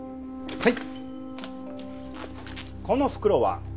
はい。